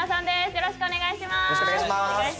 よろしくお願いします。